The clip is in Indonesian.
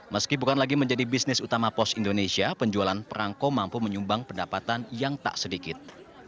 meski bukan lagi menjadi bisnis utama pos indonesia penjualan perangko mampu menyumbang pendapatan yang tak sedikit